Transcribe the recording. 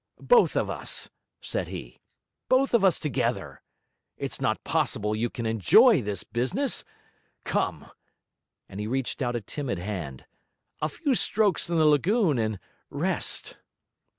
'Both of us,' said he, 'both of us together. It's not possible you can enjoy this business. Come,' and he reached out a timid hand, 'a few strokes in the lagoon and rest!'